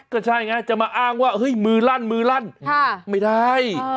ก็ใช่ไงจะมาอ้างว่าเฮ้ยมือลั่นมือลั่นไม่ได้